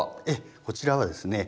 こちらはですね